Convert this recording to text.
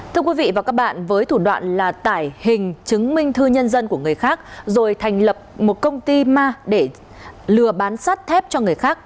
thưa quý vị và các bạn với thủ đoạn là tải hình chứng minh thư nhân dân của người khác rồi thành lập một công ty ma để lừa bán sắt thép cho người khác